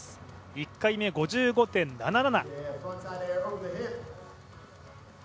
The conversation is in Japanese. １回目、５５．７７。